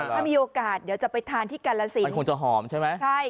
ถ้ามีโอกาสเดี๋ยวจะไปทานที่กาลสินมันคงจะหอมใช่ไหมใช่